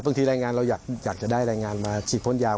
บางทีแรงงานเราอยากจะได้แรงงานมาฉีดพ้นยาว